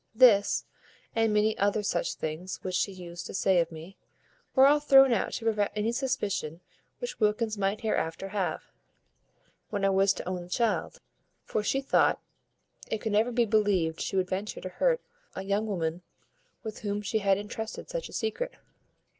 This, and many other such things which she used to say of me, were all thrown out to prevent any suspicion which Wilkins might hereafter have, when I was to own the child; for she thought it could never be believed she would venture to hurt a young woman with whom she had intrusted such a secret.